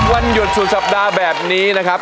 วันหยุดสุดสัปดาห์แบบนี้นะครับ